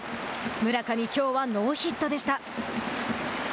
村上、きょうはノーヒットでした。